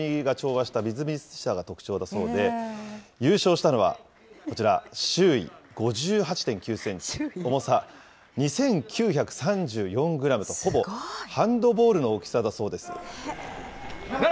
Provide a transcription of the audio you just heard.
また甘みと酸味が調和したみずみずしさが特徴だそうで、優勝したのは、こちら、周囲５８．９センチ、重さ２９３４グラムと、ほぼハンドボールの大きさだそうです。